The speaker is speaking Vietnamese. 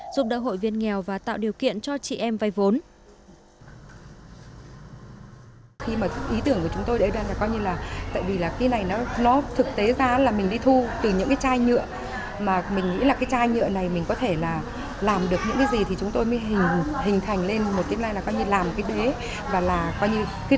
giúp đỡ hội viên nghèo và tạo điều kiện cho chị em vay vốn